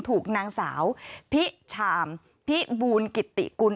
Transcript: ถูกนางสาวพิชามพิบูลกิติกุล